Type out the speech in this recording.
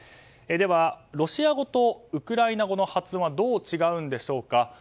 では、ロシア語とウクライナ語の発音はどう違うんでしょうか。